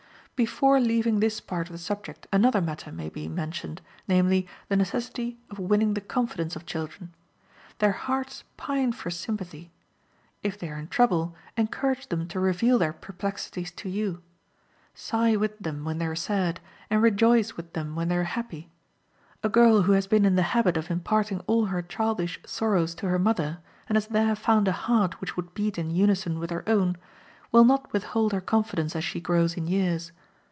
Before leaving this part of the subject another matter may be mentioned, namely, the necessity of winning the confidence of children. Their hearts pine for sympathy. If they are in trouble, encourage them to reveal their perplexities to you; sigh with them when they are sad, and rejoice with them when they are happy. A girl who has been in the habit of imparting all her childish sorrows to her mother, and has there found a heart which would beat in unison with her own, will not withhold her confidence as she grows in years.